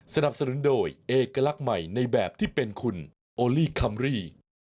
สนับสนุนโดยเอกลักษณ์ใหม่ในแบบที่เป็นคุณโอลี่คัมรี่